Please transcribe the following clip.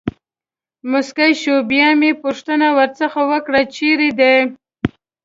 مسکی شو، بیا مې پوښتنه ورڅخه وکړل: چېرې دی.